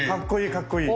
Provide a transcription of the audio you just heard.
かっこいい！